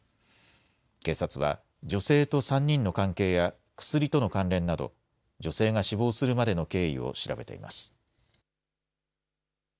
警察は、女性と３人の関係や薬との関連など、女性が死亡するまでの経緯を調べています。